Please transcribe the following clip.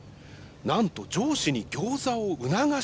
なんと上司にギョーザを促した。